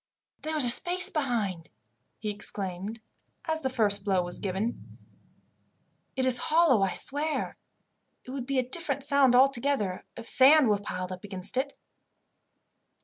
"There is a space behind," he exclaimed, as the first blow was given. "It is hollow, I swear. It would be a different sound altogether if sand was piled up against it."